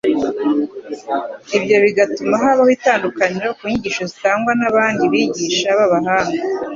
ibyo bigatuma habaho itandukaniro ku nyigisho zitangwa n'abandi bigisha b'abahanga.